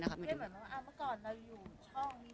บางทีเค้าแค่อยากดึงเค้าต้องการอะไรจับเราไหล่ลูกหรือยังไง